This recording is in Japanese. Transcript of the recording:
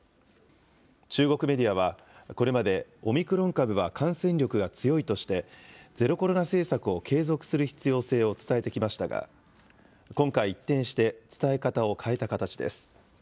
中国メディアは、これまでオミクロン株は感染力が強いとして、ゼロコロナ政策を継続する必要性を伝えてきましたが、今回、一転して伝え方を変えた形です。